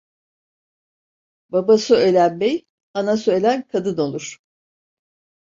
Babası ölen bey, anası ölen kadın olur.